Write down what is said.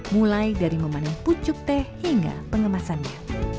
mulai dari memanen pucuk teh hingga pengemasannya